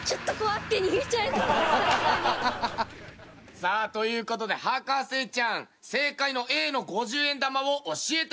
さあという事で博士ちゃん正解のＡの５０円玉を教えてください。